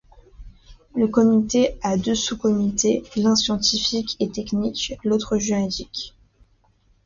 Le comité a deux sous-comités, l'un scientifique et technique, l'autre juridique.